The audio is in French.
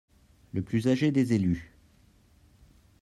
Le plus âgé des élus.